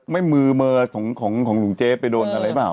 ไม่มือมือของหลวงเจไปโดนอะไรหรือเปล่า